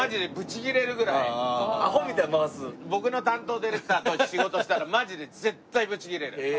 僕の担当ディレクターと仕事したらマジで絶対ブチギレる。